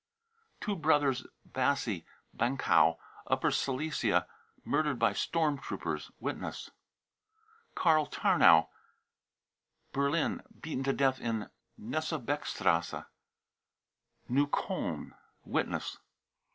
two brothers bassy, Bankau, Upper Silesia, murdered by storm troopers. (Witness.) karl tarnow, Berlin, beaten to death in Knesebeckstrasse, Neu kolln. (Witness.)